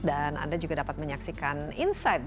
dan anda juga dapat menyaksikan insight